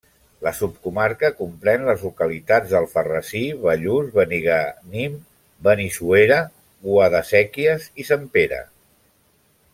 La subcomarca comprèn les localitats d'Alfarrasí, Bellús, Benigànim, Benissuera, Guadasséquies i Sempere.